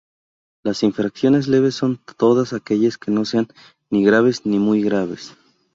Las infracciones leves son todas aquellas que no sean ni graves ni muy graves.